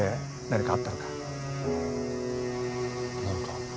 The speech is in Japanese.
「何か」？